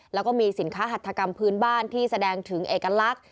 แล้วก็มีสินค้าหัตถกรรมพื้นบ้านที่แสดงถึงเอกลักษณ์